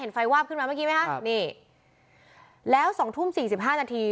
ไฟวาบขึ้นมาเมื่อกี้ไหมคะนี่แล้วสองทุ่มสี่สิบห้านาที